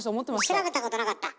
調べたことなかった？